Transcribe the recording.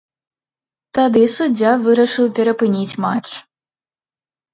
Тады суддзя вырашыў перапыніць матч.